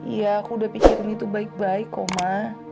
ya aku udah pikirin itu baik baik koma